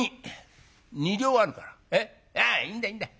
ああいいんだいいんだ。